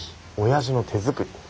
親父の手作り。